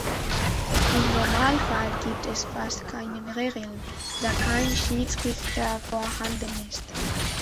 Im Normalfall gibt es fast keine Regeln, da kein Schiedsrichter vorhanden ist.